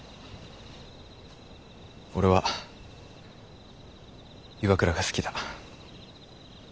俺は岩倉が好きだ。